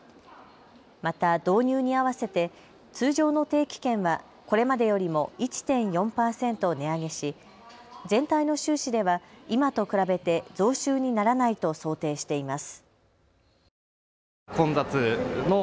また導入に合わせて通常の定期券はこれまでよりも１．４％値上げし全体の収支では今と比べて増収にならないと想定しています。